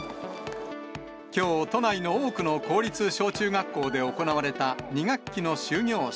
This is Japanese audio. きょう、都内の多くの公立小中学校で行われた２学期の終業式。